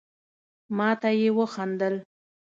ما ته يي وخندل.